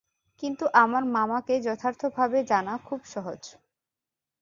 কিন্তু আমার মামাকে যথার্থভাবে জানা খুব সহজ।